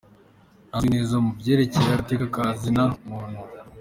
Ntazwi neza mu vyerekeye agateka ka zina muntu.